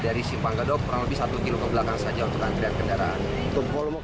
dari simpanggedok kurang lebih satu km ke belakang saja untuk antrian kendaraan